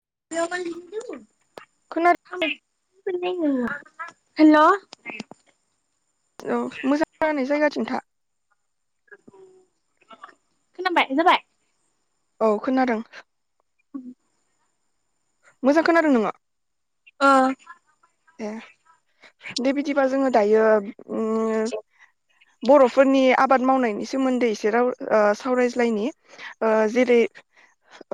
[unintelligible] खोनादों [unintelligible] हेल' औ मोजां नांनाय जायगाथिं था। खोनाबाय जाबाय? औ खोनादों। मोजां खोनादों नोङो। ओ ए दे बिदिबा जोङो दायो उम बर'फोरनि आबाद मावनायनि सोमोन्दै एसे राव सावरायज्लायनि ओ जेरै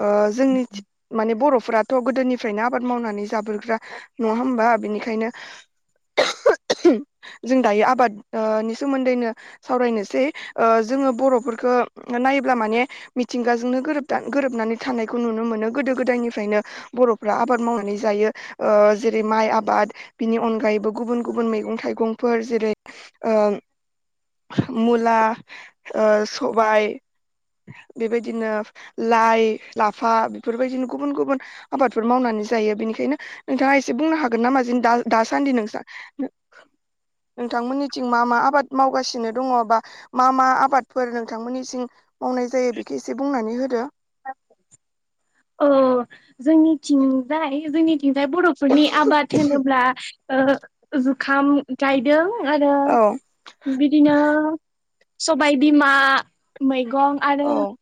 ओ जोंनिथि माने बर' फोराथ' गोदोनिफ्रायनो आबाद मावनानै जाबोग्रा नङा होमबा। बिनिखायनो जों दायो आबाद ओ नि सोमोन्दैनो सावरायनोसै ओ जोङो बर'फोरखौ नायोब्ला माने मिथिंगाजोंनो गोरोबदा गोरोबनानै थानायखौ नुनो मोनो गोदो गोदायनिफ्रायनो बर'फ्रा आबाद मावनानै जायो ओ जेरै माइ आब आबाद बिनि अनगायैबो गुबुन गुबुन मैगं थाइगंफोर जेरै ओ मुला, ओ सबाय बेबायदिनो लाइ, लाफा बेफोर बायदिनो गुबुन गुबुन आबादफोर मावनानै जायो बेनिखायनो नोंथाङा एसे बुंनो हाग गोन नामा जों दा दासान्दि नोंसां नोंथांमोननिथिं मा मा आबाद मावगासिनो दङ बा मा मा आबादफोर नोंथांमोननिथिं मावनाय जायो बेखौ एसे बुंनानै होदो। ओ जोंनिथिं जाय जोंनिथिंजाय बर'फोरनि आबाद होनोब्ला जुखाम गायदों। आरो औ बिदिनो। सबाय बिमा मै गं आरो औ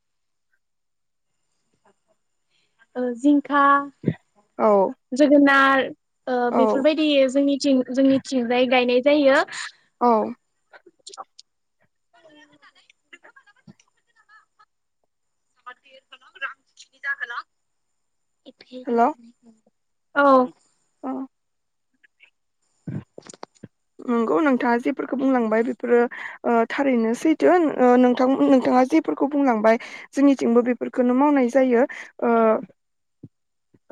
ओ जिं खा जोगोनाथ ओ बेफोर औ बायदि जोंनिथि जोंनिथिंजाय गायनाय जायो औ। [inaudible] [inaudible] हेल' [inaudible] औ [inaudible] नंगौ नोंथाङा जेफोरखौ बुंलांबाय बेफोरो ओ थारैनो सैथो ओ नोंथां नोंथाङा जेफोरखौ बुंलांबाय जोंनिथिंबो बेफोरखौनो मावनाय जायो ओ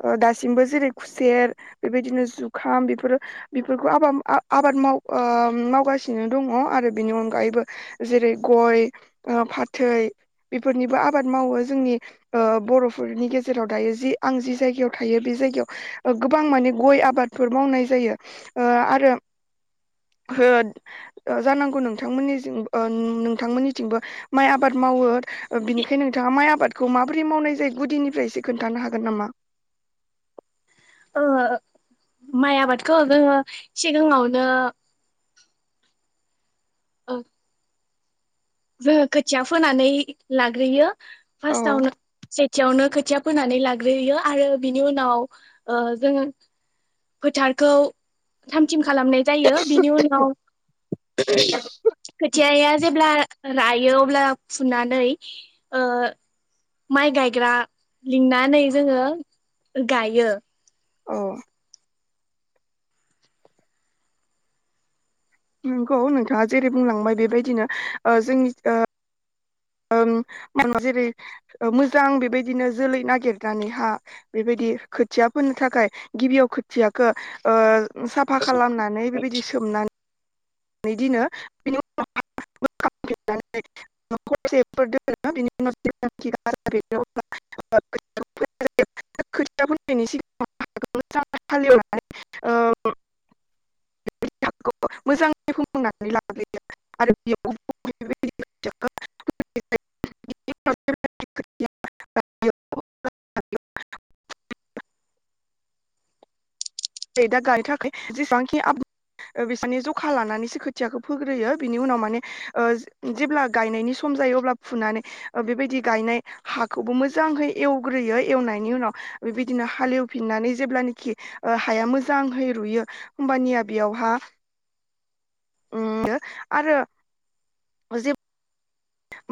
ओ दासिमबो जेरै खुसेर बेबायदिनो जुखाम बेफोरो बेफोरखौ आबा आबा आबाद माव ओ मावगासिनो दङ आरो बेनि अनगायैबो जेरै गय, ओ फाथै बेफोरनिबो आबाद मावो जोंनि ओ बर'फोरनि गेजेराव दायो जि आं जि जायगायाव थायो बे जायगायाव गोबां माने गय आबादफोर मावनाय जायो ओ आरो हो जानांगौ नोंथांमोननिजिं ओ नोंथांमोननिथिंबो माइ आबाद मावो बिनिखायनो नोंथाङा माइ आबादखौ माबोरै मावनाय जायो गुदिनिफ्राय इसे खोन्थानो हागोन नामा। ओ माइ आबादखौ जोङो सिगाङावनो औ जोङो खोथिया फोनानै लाग्रोयो। औ फास्टाआवनो सेथियावनो खो खोथिया फोनानै लाग्रोयो आरो बिनि उनाव जों फोथारखौ थाम थिम खालामनाय जायो बिनि उनाव [inaudible] थियाया जेब्ला लायो अब्ला फुनानै ओ माइ गायग्रा लिंनानै जोङो गायो। औ। नंगौ नोंथाङा जेरै बुंलांबाय बेबायदिनो ओ जोंनि ओ ओं [inaudible] ओ जेरै मोजां बेबायदिनो जोलै नागिरनानैहा बेबायदि खोथिया फोनो थाखाय गिबियाव खोथिया खो ओ साफा खालामनानै बेबायदि सोमनानै नै दिनो [unintelligible] मोजां [unintelligible] दा गायो थाखाय जेसेबांखि आब बिसोरनि जखा लानानैसो खोथियाखौ फोग्रोयो बिनि उनाव माने ओ जेब्ला गायनायनि सम जायो अब्ला फुनानै बेबायदि गायनाय हाखौबो मोजांहै एवग्रोयो एवनायनि उनाव बेबायदिनो हालेवफिननानै जेब्लानोखि ओ हाया मोजांहै रुयो होमबानिया बेयावहा [unintelligible] आरो जे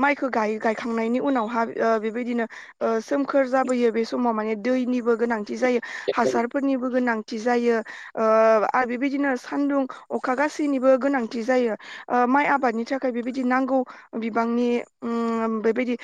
माइखो गायो गायखांनायनि उनावहा बेबायदिनो जो सोमखोर जाबोयो बे समाव माने दैनिबो गोनांथि जायो। हासारफोरनिबो गोनां। थि जायो ओ आरो बेबायदिनो सानदुं अखा गासैनिबो गोनांथि जायो ओ माइ आबादनि थाखाय बेबायदि नांगौ। बिबांनि उम बेबायदि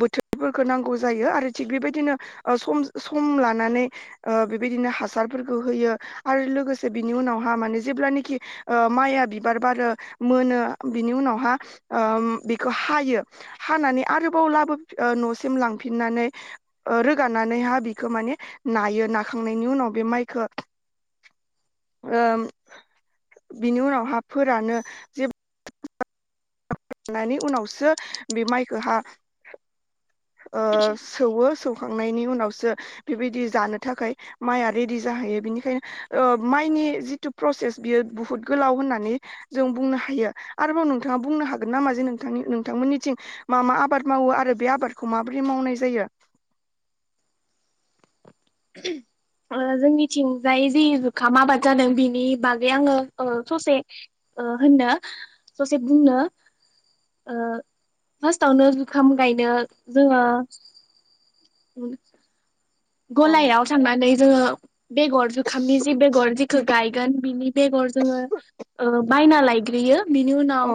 बोथोरफोरखो नांगौ जायो आरो थिग बेबायदिनो ओ सम सम लानानै ओ बेबायदिनो हासारफोरखौ होयो आरो लोगोसे बिनि उनावहा माने जेब्लानखि ओ माइआ बिबार बारो मोनो बिनि उनावहा ओम बेखौ हायो हानानै आरोबाव लाबो न सिम लांफिननानै रोगानानैहा बिखौ माने नायो नाखांनायनि उनाव बे माइ खो ओम बिनि उनावहा फोरानो जे नानि उनावसो बे माइखो हा ओ सौवो सौ खांनायनि उनावसो बेबायदि जानो थाखाय माइआ रेडि जाहैयो बेनिखायनो ओ माइनि जिथु प्रसेस बियो बुहुत गोलाव होननानै जों बुंनो हायो आरोबाव नोंथाङा बुंनो हागोन नामा जे नोंथांनि नोंथांमोननिथिं मा मा आबाद मावो आरो बे आबाद खौ माबोरै मावनाय जायो। ओ जोंनिथिंजाय जि जुखाम आबाद जादों बिनि बागै आङो ओ ससे ओ होननो ससे बुंनो ओ फास्तआवनो जुखाम गायनो जोङो [inaudible] औ गलायाव थांनानै जोङो। बेगर जुखामनि जि बेगर जेखो गायगोन बिनि बेगर जोङो ओ बायना लायग्रोयो बिनि उनाव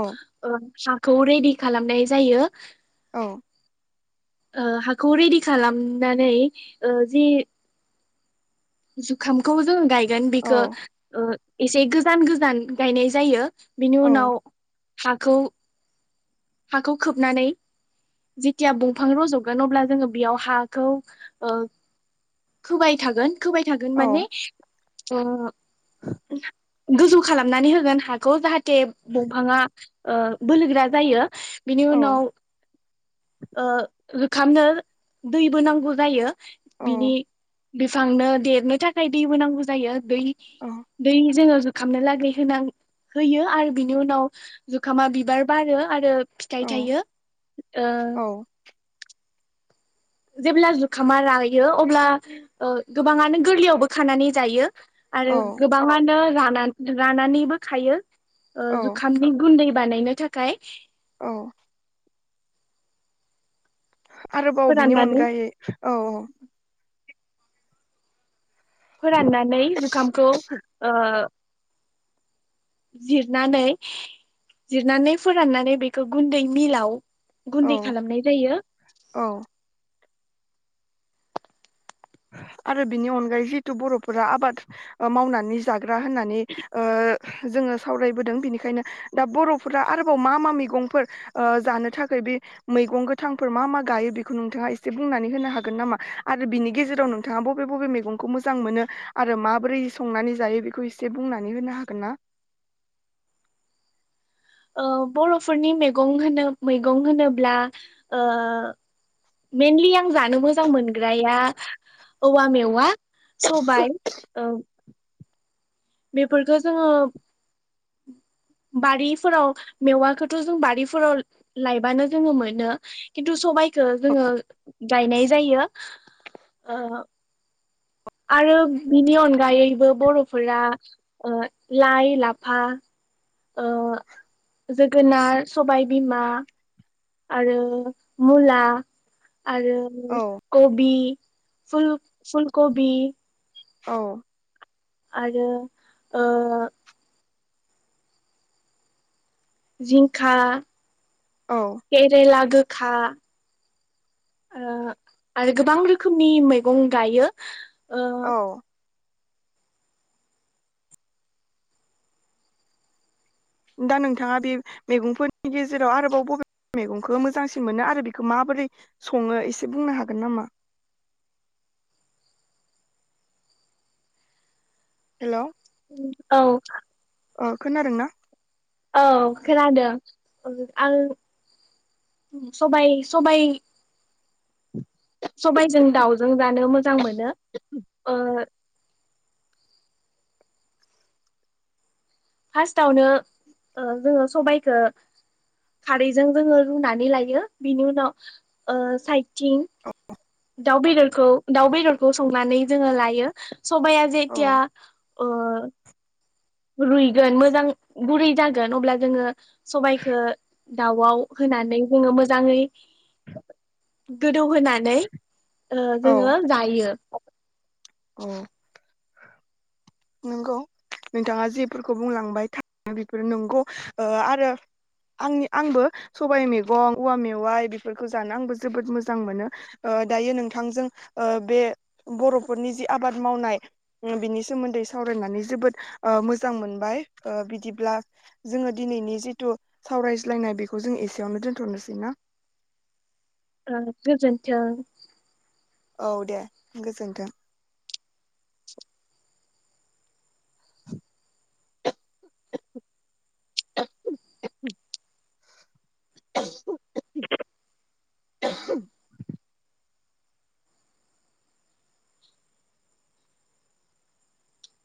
ओ खौ रेडि खालामनाय जायो। औ। ओ हाखौ रेडि खालामनानै ओ जि जुखामखौ जों गाय गोन बेखो औ ओ एसे गोजान गोजान गायनाय जायो। बिनि औ उनाव हाखौ हाखौ खोबनानै जेथिया दंफां रज'गोन अब्ला जोङो बेयाव हाखौ खोबाय थागोन। खोबाय थागोन माने औ ओ गोजौ खालामनानै होगोन हाखौ जाहाथे तेब बंफाङा ओ बोलोगोरा जायो। बिनि औ उनाव ओ रोखामनो दैबो नांगौ जायो। बिनि औ बिफांनो देरनो थाखाय दैबो नांगौ जायो। दै औ दै जोंङोब खामनो लागै होनां होयो आरो बिनि उनाव जुखामा बिबार बारो आरो फिथाइ थायो ओ औ जेब्ला जुखामा रायो अब्ला गोबाङानो गोरलैयावबो खानानै जायो। आरो औ गोबाङानो राग नान रानानैबो खायो। ओ औ जुखामनि गुन्दैब बानायनो थाखाय औ आरोबाव बिनि फोराननानै अनगायै औ-औ फोराननानै जुखामखौ ओ जिरनानै जिरनानै फोराननानै बेखौ गुन्दै मिलाव औ गुन्दै खालामनाय जायो। औ आरो बिनि अनगायै जितु बरफोरा आबाद मावनानै जाग ग्रा होननानै ओ जोंङो सावरायबोदों बिनिखायनो दा बरफोरा आरोबाव मा मा मैगंफोर ओ जानो थाखै बे मैगं गोथांफोर मा मा गायो बेखौ नोंथाङा एसे बुंनानै होनो हागोन नामा आरो बिनि गेजेर दाव नोंथाङा बबे बबे मेगंखौ मोजां मोनो आरो माबोरै संनानै जायो बेखौ एसे बुंनानै होनो हागोन ना? औ बरफोरनि मेगं होनो मैगं होनोब्ला ओ मेनलि आं जानो मोजां मोनग्राया औवा मेवा सबाइ उम बेफोरखो जोंङो बारिफोराव मेवाखोथ जों बारिफोराव लायबानो जोंङो मोनो खिन्थु सबाइखौ जोंङो गायनाय जायो ओ आरो बिनि अनगायैबो बरफोरा ओ लाइ लाफा ओ जोगोनार सबाइ बिमा आरो मुला आरो औ कबि फुल फुल कबि औ आरो ओ जिंखा औ केरेला गोग खा ओ आरो गोबां रोखोमनि मैगं गायो। ओ औ दा नोंथाङा बे मैगंफोरनि गेजेराव आरोबाव बबे बे मेगंखो मोजांसिन मोनो आरो बेखो माबोरै संङो एसे बुंनो हागोन नामा? हेलौ औ अ खोनादों ना? औ खोनादों ओ आं सबाय-सबाय सबाइजों दाउजों जानो मोजां मोनो। ओ फास्टावनो ओ जोङो सबायाइखो खारैजों जोङो रुनानै लायो। बिनि उनाव ओ साइदथिं दाउ बेदरखौ दाउ बेदरखौ संनानै जोङो लायो। सबाइया औ जेथिया ओ रुइगोन मोजां गुरै जागोन अब्ला जोङो सबाइखो दाउआव होनानै जोङो मोजाङै गोदौ होनानै ओ औ जोङो जायो। औ। नंगौ नोंथाङा जेफोरखौ बुंलांबाय थारैनो बेफोरो नंगौ ओ आरो आंनि आंबो सबाइ मैगं औवा मेवाइ बेफोरखौ जानो आंबो जोबोद मोजां मोनो ओ दायो नोंथांजों ओ बे बर' फोरनि जि आबाद मावनाय ओ बिनि सोमोन्दै सावरायनानै जोबोद ओ मोजां मोनबाय ओ बिदिब्ला जोङो दिनैनि जिथु सावरायज्लायनाय बेखौ जों एसेयावनो दोनथ'नोसै ना‍? ओ गोजोन्थों। औ दे गोजोन्थों। [inaudible] [unintelligible] [unintelligible]